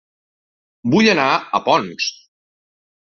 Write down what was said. Vull anar a Ponts